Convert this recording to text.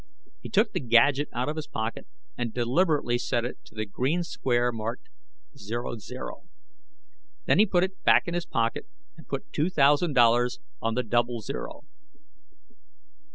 He took the gadget out of his pocket and deliberately set it to the green square marked 00. Then he put it back in his pocket and put two thousand dollars on the Double Zero.